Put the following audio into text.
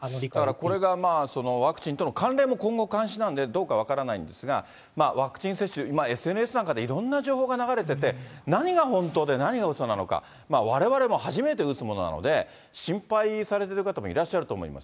これがワクチンとの関連も、今後、監視なんで、どうか分からないんですが、ワクチン接種、ＳＮＳなどでいろんな情報が流れてて、何が本当で、何がうそなのか、われわれも初めて打つものなので、心配されている方もいらっしゃると思います。